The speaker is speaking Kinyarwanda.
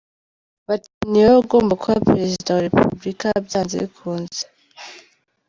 Bati ni wowe ugomba kuba Perezida wa Repubulika byanze bikunze.